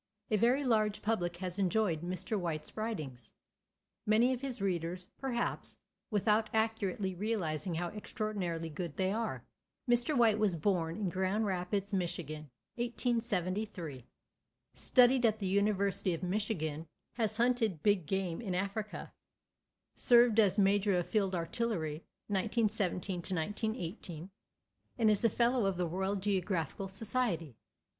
A very large public has enjoyed Mr. White's writings—many of his readers, perhaps, without accurately realizing how extraordinarily good they are. Mr. White was born in Grand Rapids, Michigan, 1873; studied at the University of Michigan; has hunted big game in Africa; served as major of field artillery, 1917 18; and is a Fellow of the Royal Geographical Society.